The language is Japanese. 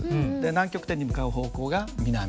南極点に向かう方向が南。